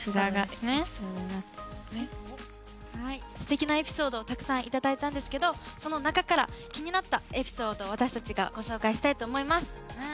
すてきなエピソードをたくさん頂いたんですけどその中から気になったエピソードを私たちがご紹介したいと思います。